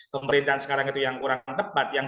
pemerintahan sekarang itu yang kurang tepat yang